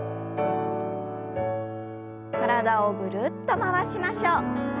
体をぐるっと回しましょう。